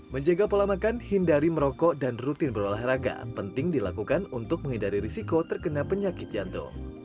menjaga pola makan hindari merokok dan rutin berolahraga penting dilakukan untuk menghindari risiko terkena penyakit jantung